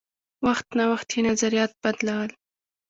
وخت نا وخت یې نظریات بدلول.